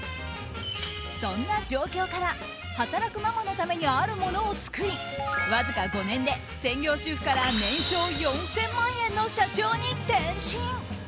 そんな状況から働くママのためにあるものを作りわずか５年で専業主婦から年商４０００万円の社長に転身。